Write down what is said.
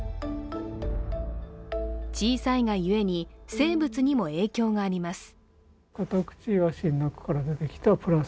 小さいがゆえに生物にも影響があります。